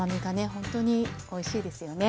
ほんとにおいしいですよね。